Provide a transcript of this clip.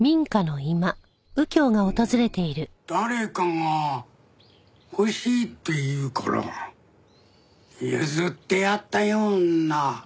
うーん誰かが欲しいって言うから譲ってやったような。